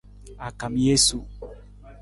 A kam jesu.